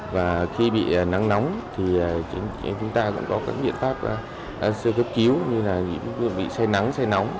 và khi bị nắng nóng thì chúng ta cũng có các biện pháp sơ cấp cứu như là bị say nắng say nóng